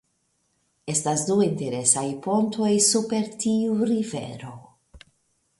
Estas du interesaj pontoj super tiu rivero.